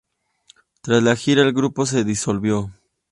Tras la gira, el grupo se disolvió.